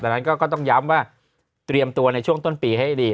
ดังนั้นก็ต้องย้ำว่าเตรียมตัวในช่วงต้นปีให้ดี